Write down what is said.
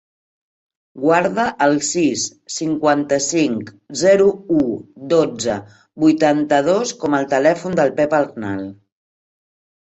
Guarda el sis, cinquanta-cinc, zero, u, dotze, vuitanta-dos com a telèfon del Pep Arnal.